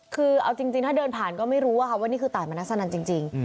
คือเอาจริงถ้าเดินผ่านก็ไม่รู้ว่านี่คือตายมณสนันจริง